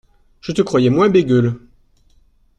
Je te croyais moins bégueule.